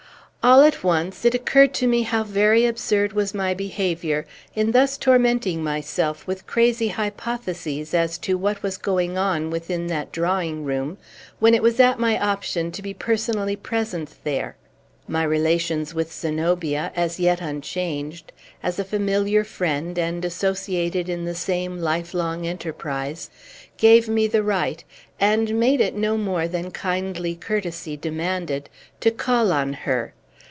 All at once, it occurred to me how very absurd was my behavior in thus tormenting myself with crazy hypotheses as to what was going on within that drawing room, when it was at my option to be personally present there, My relations with Zenobia, as yet unchanged, as a familiar friend, and associated in the same life long enterprise, gave me the right, and made it no more than kindly courtesy demanded, to call on her.